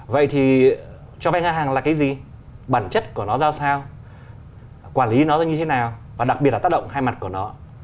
vậy thì cho vay ngang hàng là cái gì bản chất của nó ra sao quản lý nó ra như thế nào và đặc biệt là tác động hai mặt của nó